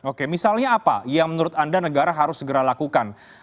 oke misalnya apa yang menurut anda negara harus segera lakukan